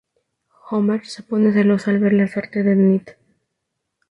Homer se pone celoso al ver la suerte de Ned.